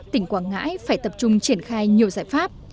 tỉnh quảng ngãi phải tập trung triển khai nhiều giải pháp